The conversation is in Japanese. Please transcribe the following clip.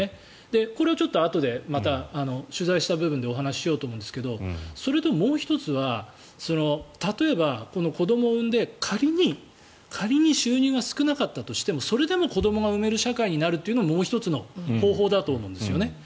これはまたあとで取材した部分でお話ししようと思うんですがそれと、もう１つは例えば、子どもを産んで仮に収入が少なかったとしてもそれでも子どもが産める社会になるというのももう１つの方法だと思うんですね。